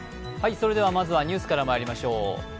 まずはニュースからまいりましょう。